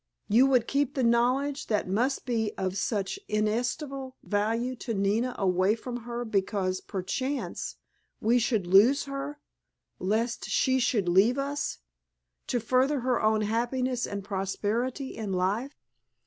You would keep the knowledge that must be of such inestimable value to Nina away from her because, perchance, we should lose her, lest she should leave us—to further her own happiness and prosperity in life?"